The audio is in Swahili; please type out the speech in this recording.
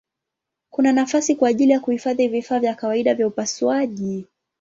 Kuna nafasi kwa ajili ya kuhifadhi vifaa vya kawaida vya upasuaji.